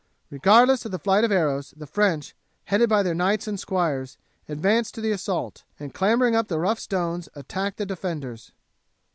Regardless of the flights of arrows, the French, headed by their knights and squires, advanced to the assault, and clambering up the rough stones attacked the defenders.